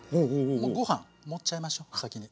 もうご飯盛っちゃいましょう先に。